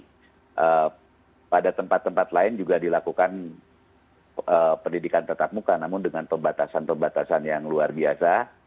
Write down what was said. jadi pada tempat tempat lain juga dilakukan pendidikan tetap muka namun dengan pembatasan pembatasan yang luar biasa